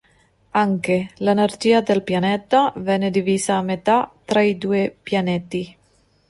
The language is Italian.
Anche l'energia del pianeta venne divisa a metà tra i due pianeti.